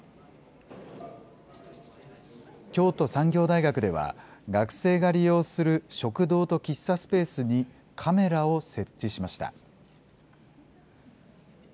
京都産業大学では、学生が利用する食堂と喫茶スペースにカメラを設置しました。